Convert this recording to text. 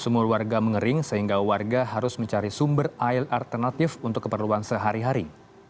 sumur warga mengering sehingga warga harus mencari sumber air alternatif untuk keperluan sehari hari